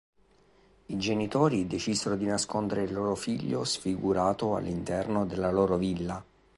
I genitori decisero di nascondere il loro figlio sfigurato all'interno della loro villa.